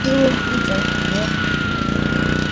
ისინი პოულობენ კუნძულს.